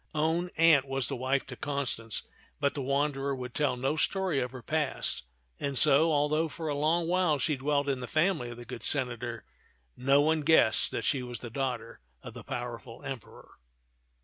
Own aunt was the wife to Constance, but the wanderer would tell no story of her past, and so, although for a long while she dwelt in the family of the good senator, no one guessed that she was the daughter of the powerful Emperor.